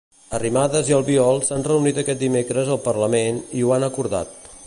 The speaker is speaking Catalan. Arrimadas i Albiol s'han reunit aquest dimecres al Parlament i ho han acordat.